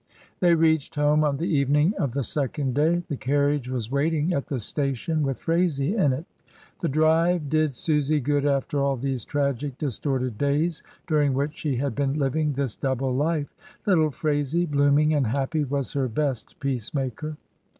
They reached home on the evening of the second day. The carriage was waiting at the station with Phraisie in it. The drive did Susy good after all these tragic, distorted , days, during which she had been living this double life. Little Phraisie, bloom ing and happy, was her best peace maker.